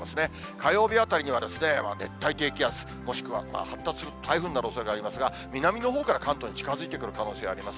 火曜日あたりには熱帯低気圧、もしくは発達する台風になるおそれがありますが、南のほうから関東に近づいてくる可能性あります。